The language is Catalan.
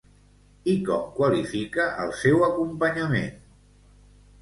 I com qualifica el seu acompanyament?